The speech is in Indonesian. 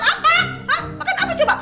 hah makan apa coba